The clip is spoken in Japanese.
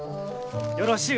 よろしゅう